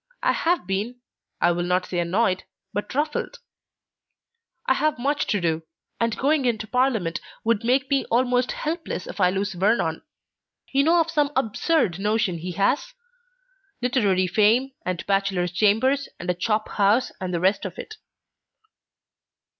I have been, I will not say annoyed, but ruffled. I have much to do, and going into Parliament would make me almost helpless if I lose Vernon. You know of some absurd notion he has? literary fame, and bachelor's chambers, and a chop house, and the rest of it."